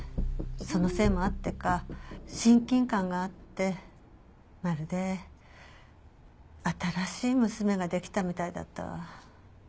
そのせいもあってか親近感があってまるで新しい娘ができたみたいだったわ。